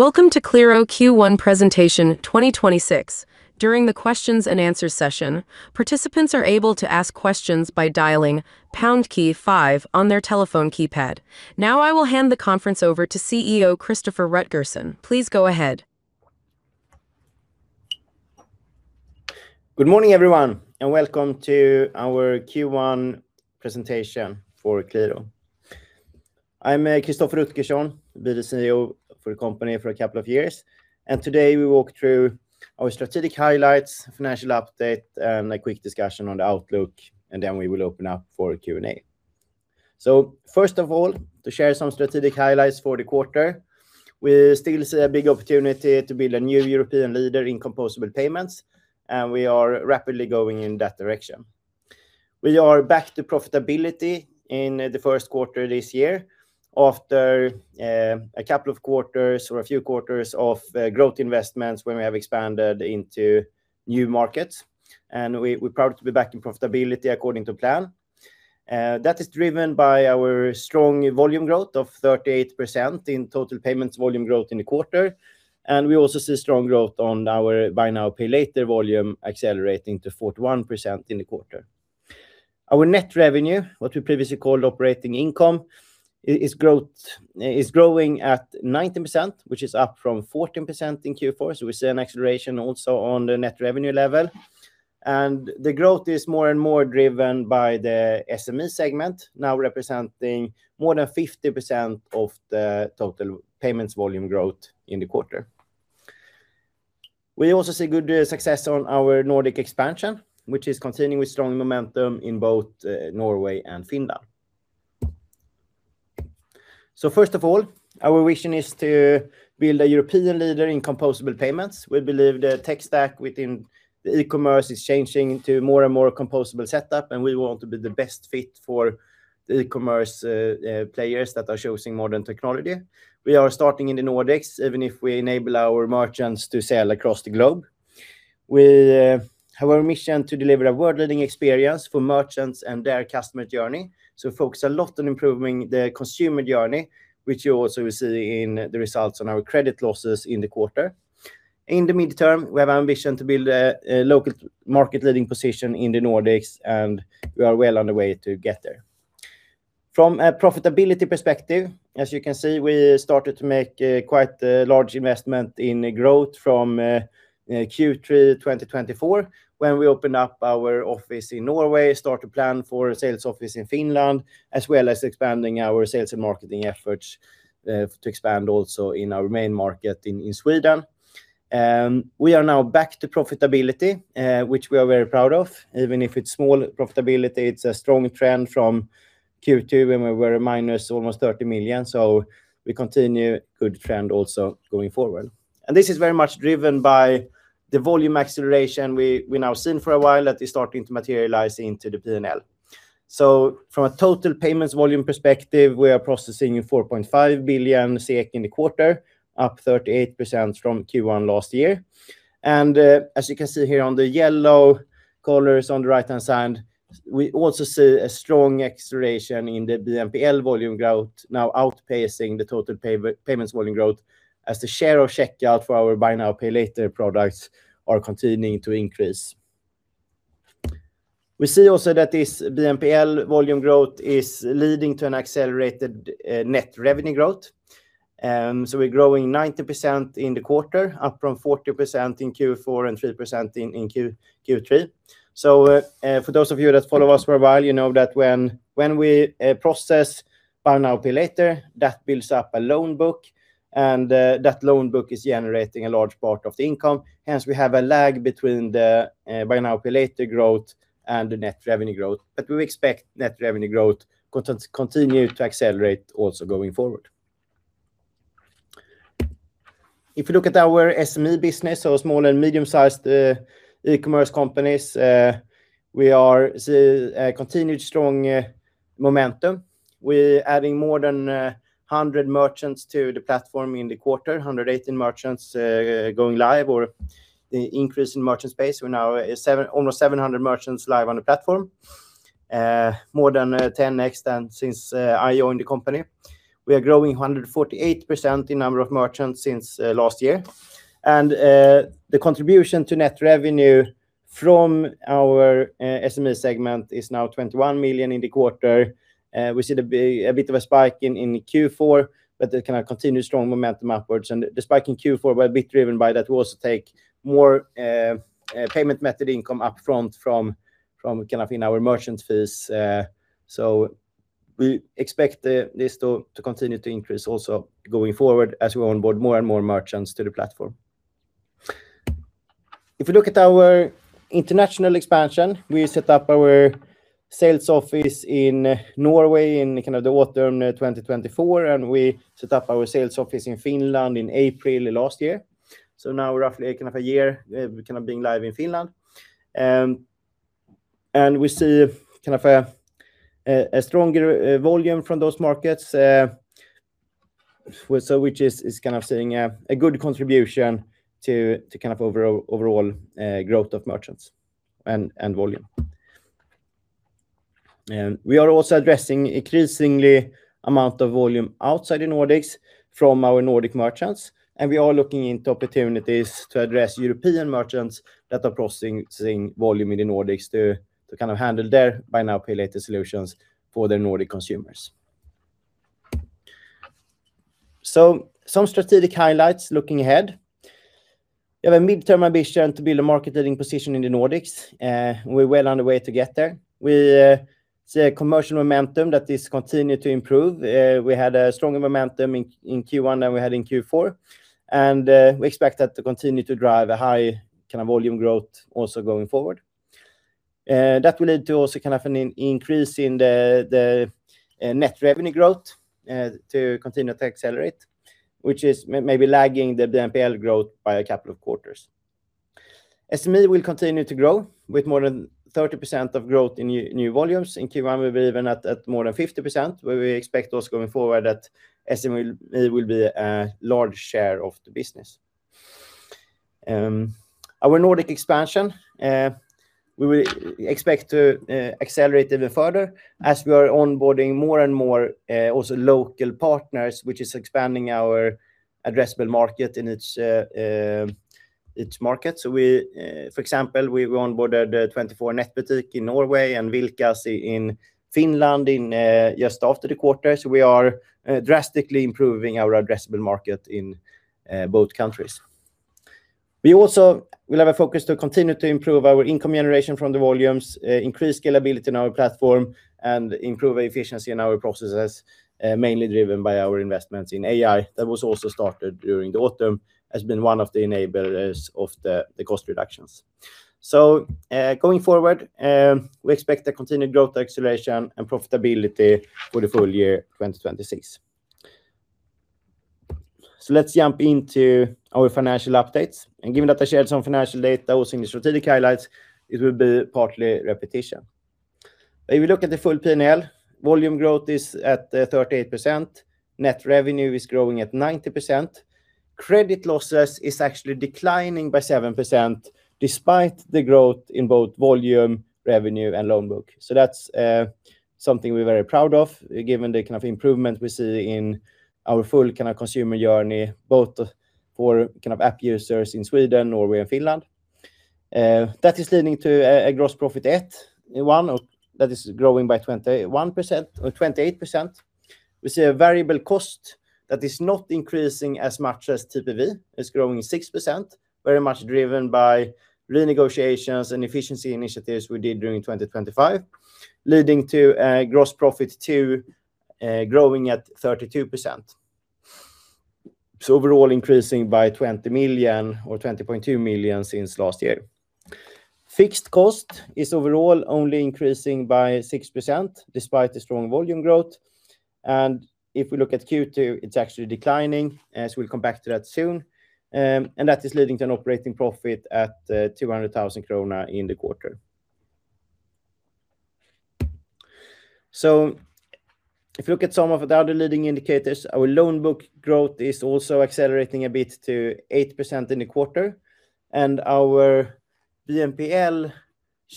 Welcome to Qliro Q1 presentation 2026. During the question-and-answer session, participants are able to ask question by dialing pound key five on thier telephone keypad. Now I will hand the conference over to CEO Christoffer Rutgersson. Please go ahead. Good morning, everyone, and welcome to our Q1 presentation for Qliro. I'm Christoffer Rutgersson, been the CEO for the company for a couple of years, and today we walk through our strategic highlights, financial update, and a quick discussion on the outlook. Then we will open up for Q&A. First of all, to share some strategic highlights for the quarter, we still see a big opportunity to build a new European leader in composable payments, and we are rapidly going in that direction. We are back to profitability in the first quarter this year after a couple of quarters or a few quarters of growth investments where we have expanded into new markets, and we're proud to be back in profitability according to plan. That is driven by our strong volume growth of 38% in total payments volume growth in the quarter, and we also see strong growth on our buy now, pay later volume accelerating to 41% in the quarter. Our net revenue, what we previously called operating income, is growing at 90%, which is up from 14% in Q4, so we see an acceleration also on the net revenue level. And the growth is more and more driven by the SME segment, now representing more than 50% of the total payments volume growth in the quarter. We also see good success on our Nordic expansion, which is continuing with strong momentum in both Norway and Finland. First of all, our vision is to build a European leader in composable payments. We believe the tech stack within the e-commerce is changing to more and more composable setup. We want to be the best fit for the e-commerce players that are choosing modern technology. We are starting in the Nordics, even if we enable our merchants to sell across the globe. We have our mission to deliver a world-leading experience for merchants and their customer journey. We focus a lot on improving the consumer journey, which you also will see in the results on our credit losses in the quarter. In the midterm, we have ambition to build a local market-leading position in the Nordics. We are well on the way to get there. From a profitability perspective, as you can see, we started to make a quite large investment in growth from Q3 2024 when we opened up our office in Norway, start to plan for a sales office in Finland, as well as expanding our sales and marketing efforts to expand also in our main market in Sweden. We are now back to profitability, which we are very proud of. Even if it's small profitability, it's a strong trend from Q2 when we were minus almost 30 million. We continue good trend also going forward. This is very much driven by the volume acceleration we now seen for a while that is starting to materialize into the P&L. From a total payments volume perspective, we are processing 4.5 billion SEK in the quarter, up 38% from Q1 last year. As you can see here on the yellow colors on the right-hand side, we also see a strong acceleration in the BNPL volume growth now outpacing the total payments volume growth as the share of checkout for our buy now, pay later products are continuing to increase. We see also that this BNPL volume growth is leading to an accelerated net revenue growth. We're growing 90% in the quarter, up from 40% in Q4 and 3% in Q3. For those of you that follow us for a while, you know that when we process buy now, pay later, that builds up a loan book, and that loan book is generating a large part of the income. Hence, we have a lag between the buy now, pay later growth and the net revenue growth. We expect net revenue growth continue to accelerate also going forward. If you look at our SME business, so small and medium-sized e-commerce companies, we are see continued strong momentum. We are adding more than 100 merchants to the platform in the quarter, 118 merchants going live or the increase in merchant base. We're now almost 700 merchants live on the platform. More than 10 net since I joined the company. We are growing 148% in number of merchants since last year. The contribution to net revenue from our SME segment is now 21 million in the quarter. We see a bit of a spike in Q4, but it kind of continued strong momentum upwards. The spike in Q4 were a bit driven by that we also take more payment method income upfront from kind of in our merchants fees. We expect this to continue to increase also going forward as we onboard more and more merchants to the platform. If you look at our international expansion, we set up our sales office in Norway in kind of the autumn 2024, and we set up our sales office in Finland in April last year. Now roughly a year, we being live in Finland. We see a stronger volume from those markets, which is seeing a good contribution to overall growth of merchants and volume. We are also addressing increasingly amount of volume outside the Nordics from our Nordic merchants, we are looking into opportunities to address European merchants that are processing volume in the Nordics to handle their buy now, pay later solutions for their Nordic consumers. Some strategic highlights looking ahead. We have a midterm ambition to build a market leading position in the Nordics, we're well on the way to get there. We see a commercial momentum that is continued to improve. We had a stronger momentum in Q1 than we had in Q4. We expect that to continue to drive a high kind of volume growth also going forward. That will lead to also an increase in the net revenue growth to continue to accelerate, which is maybe lagging the BNPL growth by a couple of quarters. SME will continue to grow with more than 30% of growth in new volumes. In Q1, we were even at more than 50%, where we expect also going forward that SME will be a large share of the business. Our Nordic expansion we will expect to accelerate even further as we are onboarding more and more also local partners, which is expanding our addressable market in its market. We, for example, we've onboarded 24Nettbutikk in Norway and Vilkas in Finland just after the quarter. We are drastically improving our addressable market in both countries. We also will have a focus to continue to improve our income generation from the volumes, increase scalability in our platform, and improve efficiency in our processes, mainly driven by our investments in AI that was also started during the autumn, has been one of the enablers of the cost reductions. Going forward, we expect a continued growth acceleration and profitability for the full year 2026. Let's jump into our financial updates. Given that I shared some financial data also in the strategic highlights, it will be partly repetition. If you look at the full P&L, volume growth is at 38%, net revenue is growing at 90%. Credit losses is actually declining by 7%, despite the growth in both volume, revenue, and loan book. That's something we're very proud of, given the kind of improvement we see in our full kind of consumer journey, both for kind of app users in Sweden, Norway, and Finland. That is leading to a gross profit one that is growing by 21%, or 28%. We see a variable cost that is not increasing as much as TPV. It's growing 6%, very much driven by renegotiations and efficiency initiatives we did during 2025, leading to gross profit two growing at 32%. Overall increasing by 20 million or 20.2 million since last year. Fixed cost is overall only increasing by 6%, despite the strong volume growth. If we look at Q2, it's actually declining, as we'll come back to that soon. That is leading to an operating profit at 200,000 kronor in the quarter. If you look at some of the other leading indicators, our loan book growth is also accelerating a bit to 8% in the quarter. Our BNPL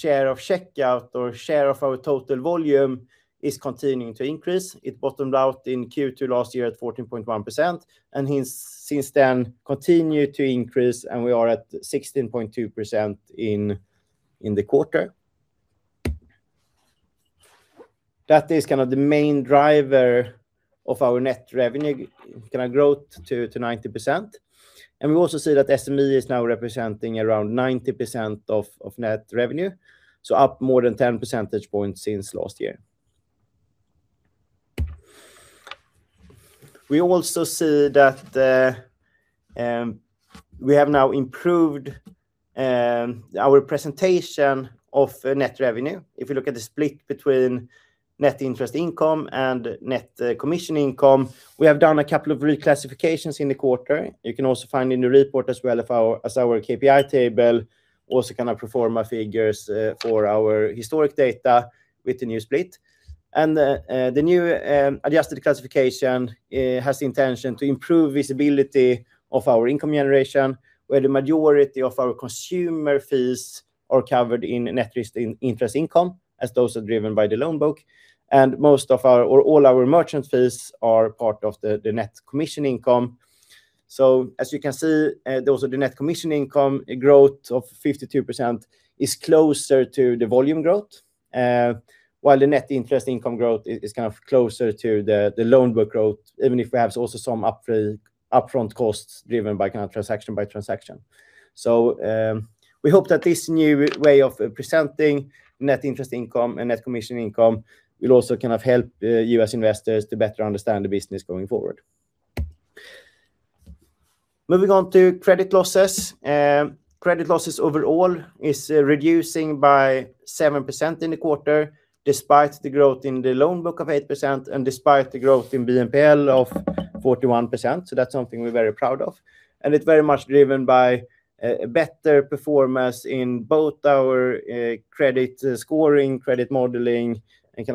share of checkout or share of our total volume is continuing to increase. It bottomed out in Q2 last year at 14.1%, and since then continue to increase, and we are at 16.2% in the quarter. That is kind of the main driver of our net revenue, kind of growth to 90%. We also see that SME is now representing around 90% of net revenue, so up more than 10 percentage points since last year. We also see that we have now improved our presentation of net revenue. If you look at the split between net interest income and net commission income, we have done a couple of reclassifications in the quarter. You can also find in the report as well as our KPI table, also kind of pro forma figures for our historic data with the new split. The new adjusted classification has the intention to improve visibility of our income generation, where the majority of our consumer fees are covered in net interest income, as those are driven by the loan book. Most of our, or all our merchant fees are part of the net commission income. As you can see, also the net commission income growth of 52% is closer to the volume growth, while the net interest income growth is kind of closer to the loan book growth, even if we have also some upfront costs driven by kind of transaction by transaction. We hope that this new way of presenting net interest income and net commission income will also kind of help you as investors to better understand the business going forward. Moving on to credit losses. Credit losses overall is reducing by 7% in the quarter, despite the growth in the loan book of 8% and despite the growth in BNPL of 41%. That's something we're very proud of, and it's very much driven by better performance in both our credit scoring, credit modeling, and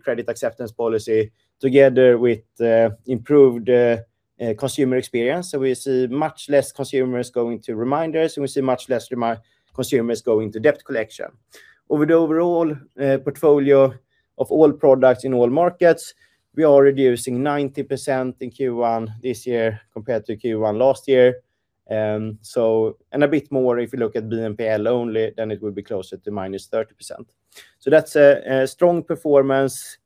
credit acceptance policy together with improved consumer experience. We see much less consumers going to reminders, and we see much less consumers going to debt collection. Over the overall portfolio of all products in all markets, we are reducing 90% in Q1 this year compared to Q1 last year. A bit more if you look at BNPL only, then it will be closer to -30%. That's a strong performance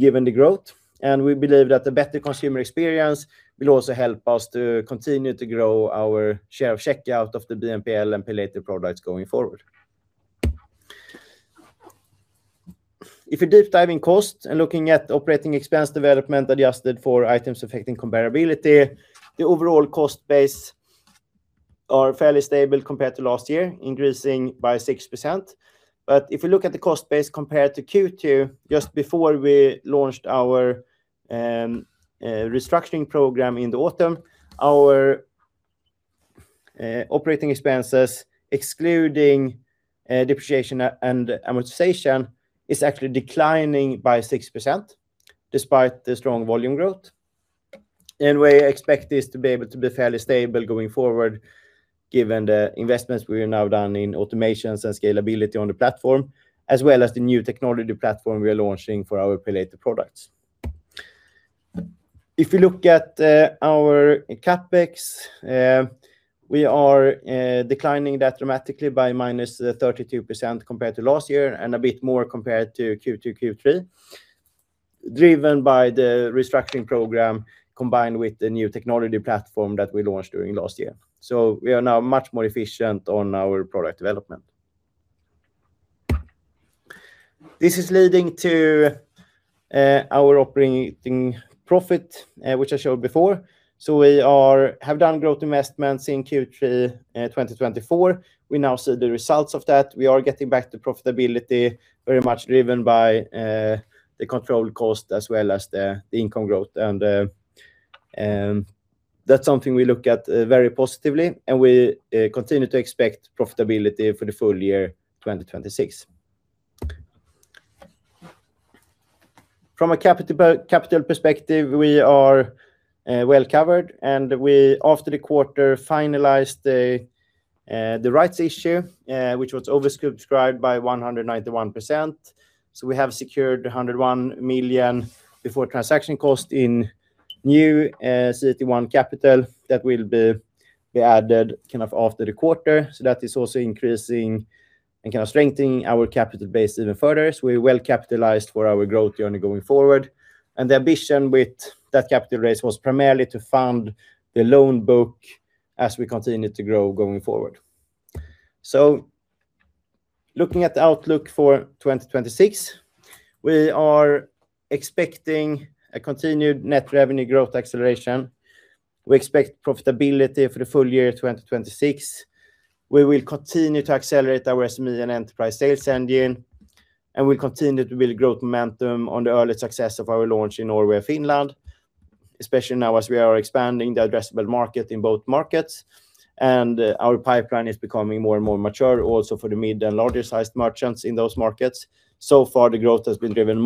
given the growth, and we believe that the better consumer experience will also help us to continue to grow our share of checkout of the BNPL and Pay Later products going forward. If you're deep diving cost and looking at operating expense development adjusted for items affecting comparability, the overall cost base are fairly stable compared to last year, increasing by 6%. If you look at the cost base compared to Q2 just before we launched our restructuring program in the autumn, our operating expenses, excluding depreciation and amortization, is actually declining by 6% despite the strong volume growth. We expect this to be able to be fairly stable going forward given the investments we have now done in automations and scalability on the platform, as well as the new technology platform we are launching for our Pay Later products. If you look at our CapEx, we are declining that dramatically by -32% compared to last year and a bit more compared to Q2, Q3, driven by the restructuring program combined with the new technology platform that we launched during last year. We are now much more efficient on our product development. This is leading to our operating profit, which I showed before. We have done growth investments in Q3 2024. We now see the results of that. We are getting back to profitability, very much driven by the controlled cost as well as the income growth. That's something we look at very positively, and we continue to expect profitability for the full year 2026. From a capital perspective, we are well covered. We, after the quarter, finalized the rights issue, which was oversubscribed by 191%. We have secured 101 million before transaction cost in new CET1 capital that will be added kind of after the quarter. That is also increasing and kind of strengthening our capital base even further, so we are well capitalized for our growth journey going forward. The ambition with that capital raise was primarily to fund the loan book as we continue to grow going forward. Looking at the outlook for 2026, we are expecting a continued net revenue growth acceleration. We expect profitability for the full year 2026. We will continue to accelerate our SME and enterprise sales engine, and we continue to build growth momentum on the early success of our launch in Norway and Finland, especially now as we are expanding the addressable market in both markets. Our pipeline is becoming more and more mature also for the mid and larger sized merchants in those markets. So far, the growth has been driven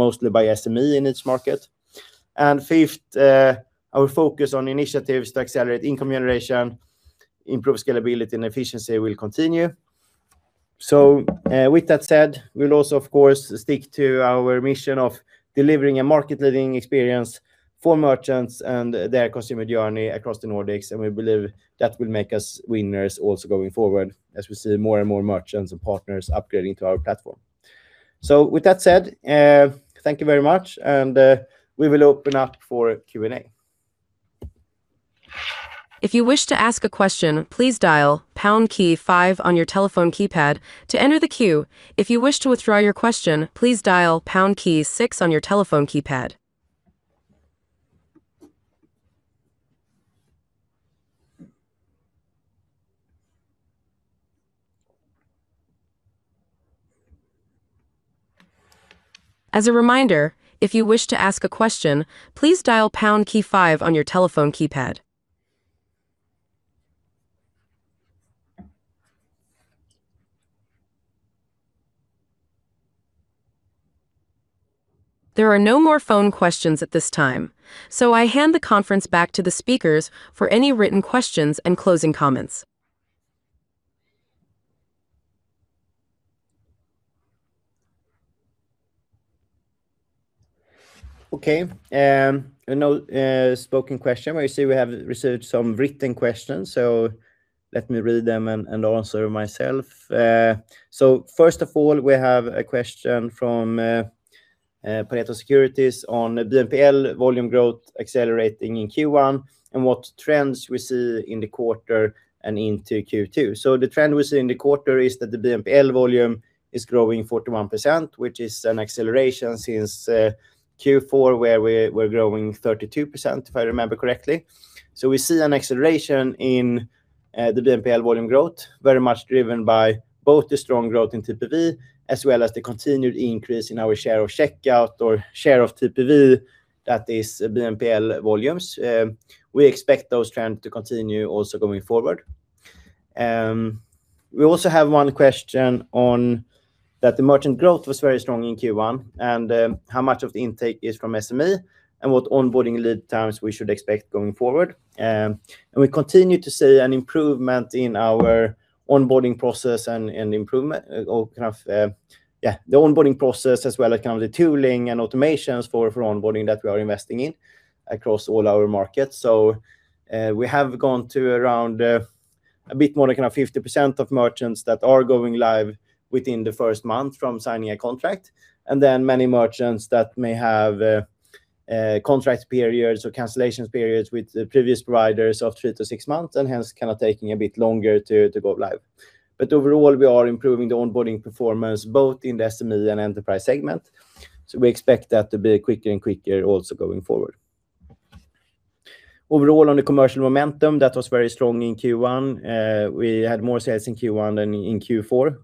mostly by SME in each market. Fifth, our focus on initiatives to accelerate income generation, improve scalability and efficiency will continue. With that said, we'll also, of course, stick to our mission of delivering a market-leading experience for merchants and their consumer journey across the Nordics, and we believe that will make us winners also going forward as we see more and more merchants and partners upgrading to our platform. With that said, thank you very much, and we will open up for Q&A. If you wish to ask a question, please dial pound key five on your telephone keypad to enter the queue. If you wish to withdraw your question, please dial pound key six on your telephone keypad. As a reminder, if you wish to ask a question, please dial pound key five on your telephone keypad. There are no more phone questions at this time, so I hand the conference back to the speakers for any written questions and closing comments. Okay, no spoken question, but you see we have received some written questions, so let me read them and answer myself. First of all, we have a question from Pareto Securities on BNPL volume growth accelerating in Q1 and what trends we see in the quarter and into Q2. The trend we see in the quarter is that the BNPL volume is growing 41%, which is an acceleration since Q4, where we're growing 32%, if I remember correctly. We see an acceleration in the BNPL volume growth, very much driven by both the strong growth in TPV as well as the continued increase in our share of checkout or share of TPV that is BNPL volumes. We expect those trends to continue also going forward. We also have one question on that the merchant growth was very strong in Q1, and how much of the intake is from SME and what onboarding lead times we should expect going forward. We continue to see an improvement in our onboarding process and improvement or kind of the onboarding process as well as kind of the tooling and automations for onboarding that we are investing in across all our markets. We have gone to around a bit more than kind of 50% of merchants that are going live within the first month from signing a contract, and then many merchants that may have contract periods or cancellation periods with the previous providers of three to six months, and hence kind of taking a bit longer to go live. Overall, we are improving the onboarding performance both in the SME and enterprise segment, so we expect that to be quicker and quicker also going forward. We had more sales in Q1 than in Q4,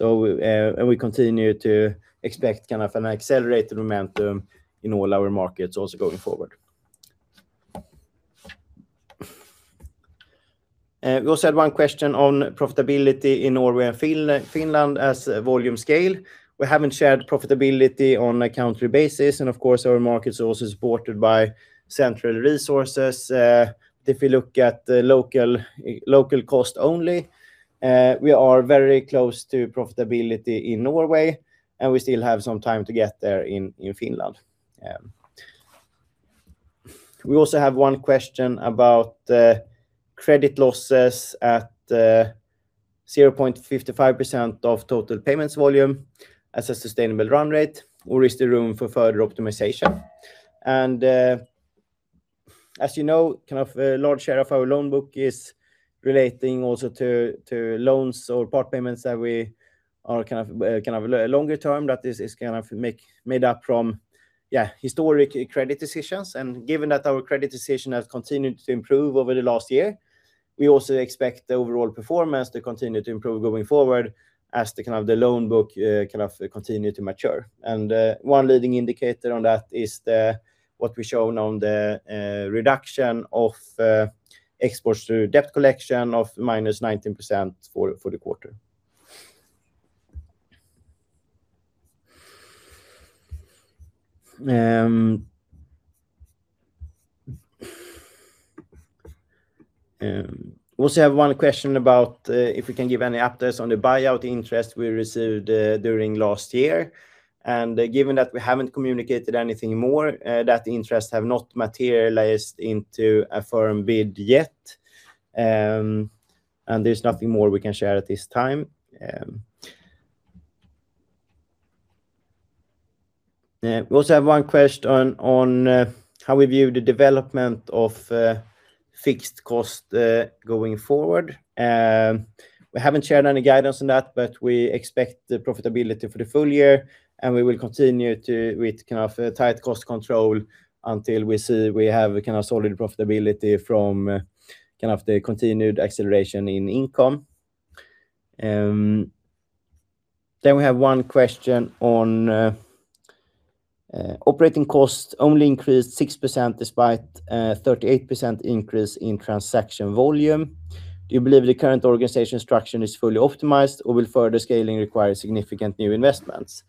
and we continue to expect kind of an accelerated momentum in all our markets also going forward. We also had one question on profitability in Norway and Finland as a volume scale. We haven't shared profitability on a country basis, and of course, our market is also supported by central resources. If you look at the local cost only, we are very close to profitability in Norway, and we still have some time to get there in Finland. We also have one question about credit losses at 0.55% of total payments volume as a sustainable run rate, or is there room for further optimization? As you know, kind of a large share of our loan book is relating also to loans or part payments that we are kind of longer term, that is made up from, yeah, historic credit decisions. Given that our credit decision has continued to improve over the last year, we also expect the overall performance to continue to improve going forward as the kind of the loan book continue to mature. One leading indicator on that is the, what we've shown on the reduction of exports to debt collection of -19% for the quarter. We also have one question about if we can give any updates on the buyout interest we received during last year. Given that we haven't communicated anything more, that interest have not materialized into a firm bid yet. There's nothing more we can share at this time. We also have one question on how we view the development of fixed cost going forward. We haven't shared any guidance on that, but we expect the profitability for the full year, and we will continue with tight cost control until we see we have a solid profitability from the continued acceleration in income. We have one question on operating costs only increased 6% despite 38% increase in transaction volume. Do you believe the current organization structure is fully optimized, or will further scaling require significant new investments?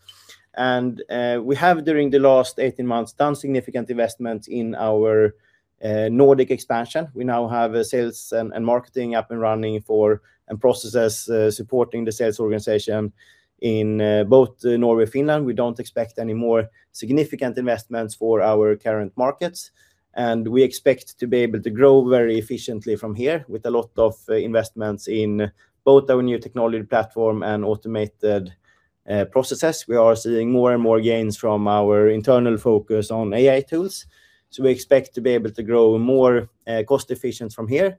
We have, during the last 18 months, done significant investments in our Nordic expansion. We now have sales and marketing up and running and processes supporting the sales organization in both Norway and Finland. We don't expect any more significant investments for our current markets, and we expect to be able to grow very efficiently from here with a lot of investments in both our new technology platform and automated processes. We are seeing more and more gains from our internal focus on AI tools, so we expect to be able to grow more cost efficient from here.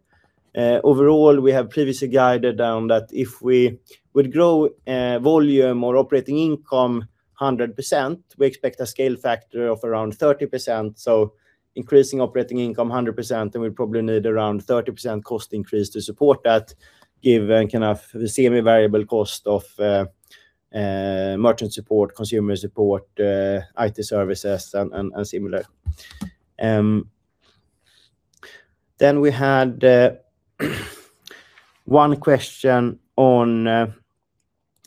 Overall, we have previously guided on that if we would grow, volume or operating income 100%, we expect a scale factor of around 30%. Increasing operating income 100%, then we probably need around 30% cost increase to support that given kind of the semi-variable cost of merchant support, consumer support, IT services, and similar. Then we had one question on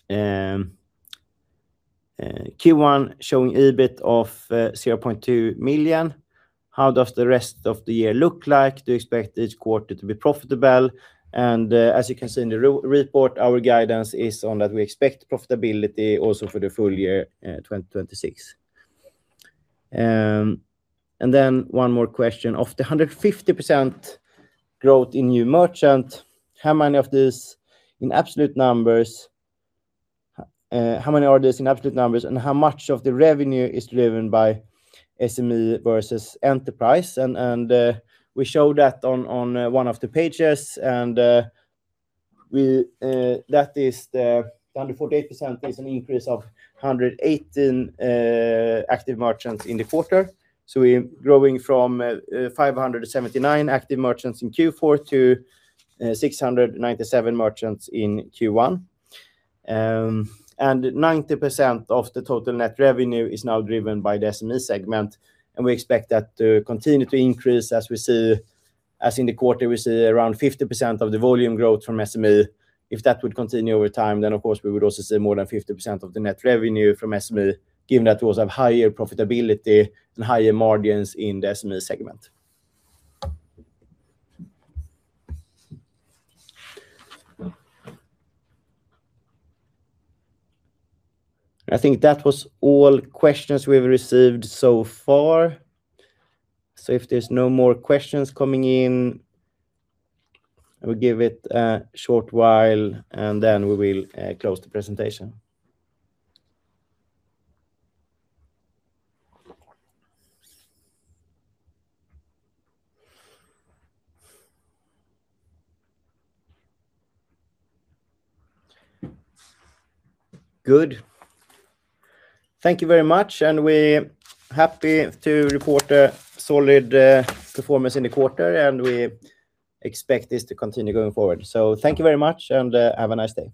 Q1 showing EBIT of 0.2 million. How does the rest of the year look like? Do you expect each quarter to be profitable? As you can see in the report, our guidance is on that we expect profitability also for the full year, 2026. One more question: Of the 150% growth in new merchant, how many of these in absolute numbers, how many are these in absolute numbers, and how much of the revenue is driven by SME versus enterprise? We show that on one of the pages, we, that is the 148% is an increase of 118 active merchants in the quarter. We're growing from 579 active merchants in Q4 to 697 merchants in Q1. 90% of the total net revenue is now driven by the SME segment, and we expect that to continue to increase as in the quarter, we see around 50% of the volume growth from SME. If that would continue over time, of course, we would also see more than 50% of the net revenue from SME, given that we also have higher profitability and higher margins in the SME segment. I think that was all questions we've received so far. If there's no more questions coming in, I will give it a short while, we will close the presentation. Good. Thank you very much, we're happy to report a solid performance in the quarter, we expect this to continue going forward. Thank you very much, have a nice day.